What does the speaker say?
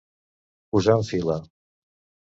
Posar en fila.